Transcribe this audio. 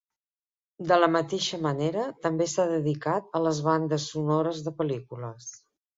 De la mateixa manera, també s'ha dedicat a les bandes sonores de pel·lícules.